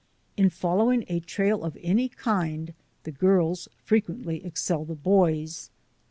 In following a trail of any kind the girls frequently excel the boys.